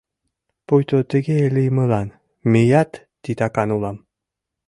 — Пуйто тыге лиймылан мыят титакан улам.